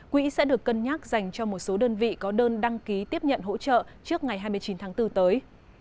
quỹ sẽ được cân nhắc dành cho một số đơn vị có đơn đăng ký tiếp nhận hỗ trợ trước ngày hai mươi chín tháng bốn tới